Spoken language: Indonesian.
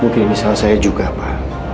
mungkin ini salah saya juga pa